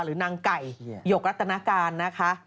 นางไก่หยกรัตนาการนะคะ